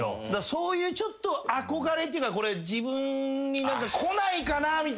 そういうちょっと憧れっていうかこれ自分に来ないかなみたいな。